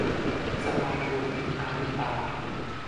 สะพานรุ้ง - อาริตา